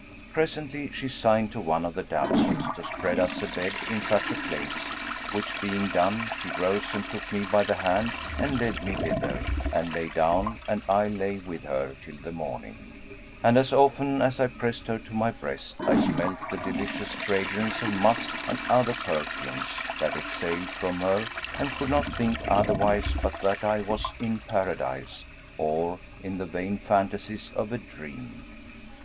Presently, she signed to one of the damsels to spread us a bed in such a place, which being done, she rose and took me by the hand and led me thither, and lay down and I lay with her till the morning, and as often as I pressed her to my breast I smelt the delicious fragrance of musk and other perfumes that exhaled from her and could not think otherwise but that I was in Paradise or in the vain phantasies of a dream.